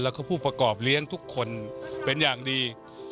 แล้วก็ผู้ประกอบเลี้ยงทุกคนเป็นอย่างดี